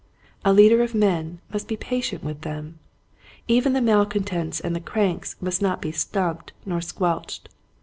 A leader of men must be patient with them. Even the malcontents and the cranks must not be snubbed or squelched.